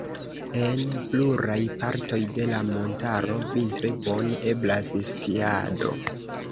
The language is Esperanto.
En pluraj partoj de la montaro vintre bone eblas skiado.